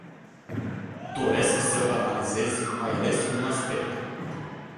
Doresc să analizez mai ales un aspect.